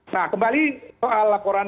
nah kembali soal laporan